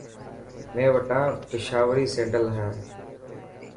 مين وٽا پشاوري سينڊل هي.